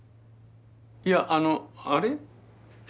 いやあのあれ？